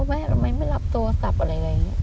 ว่าแม่ทำไมไม่รับโทรศัพท์อะไรแบบนี้